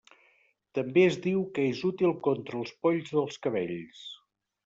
També es diu que és útil contra els polls dels cabells.